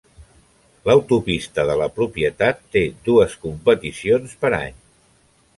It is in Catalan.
L'autopista de la propietat té dues competicions per any.